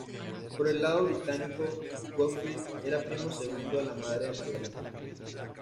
Por el lado británico, Gottfried era primo segundo de la madre de Margarita.